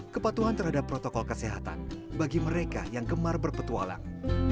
kepatuhan terhadap protokol kesehatan bagi mereka yang gemar berpetualang